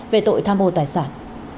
về tội tham ô tài sản